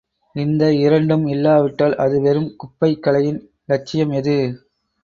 இந்த இரண்டும் இல்லாவிட்டால் அது வெறும் குப்பை கலையின் இலட்சியம் எது?